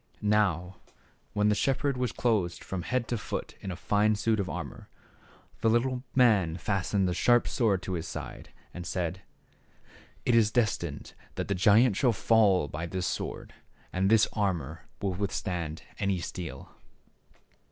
Now, when the shepherd was clothed from head to foot in a fine suit of armor, the little man fastened a sharp sword at his side and said, " It is destined that the giant shall fall by this sword, and this armor will withstand any steel."